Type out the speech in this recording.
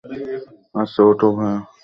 আচ্ছা, ওঠো, ভায়া।